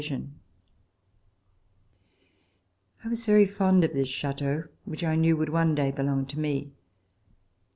IMLLON I was very fond of this chateau, which I knew would one day belong to nie.